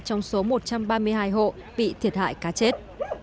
trong số một trăm ba mươi hai hộ bị thiệt hại cá chết